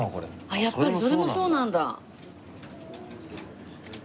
あっやっぱりそれもそうなんだ。